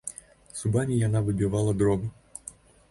Зубамі яна выбівала дроб.